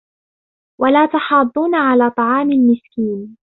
وَلا تَحاضّونَ عَلى طَعامِ المِسكينِ